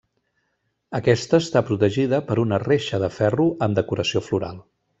Aquesta està protegida per una reixa de ferro amb decoració floral.